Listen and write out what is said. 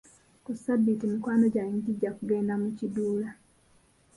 Ku ssabbiiti mikwano gyange gijja kugenda mu kiduula.